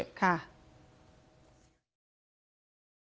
แม้นายเชิงชายผู้ตายบอกกับเราว่าเหตุการณ์ในครั้งนั้น